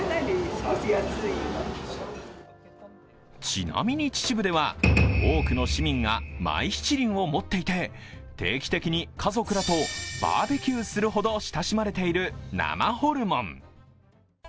ちなみに秩父では、多くの市民がマイ七輪を持っていて、定期的に家族らとバーベキューするほど親しまれている生ホルモン。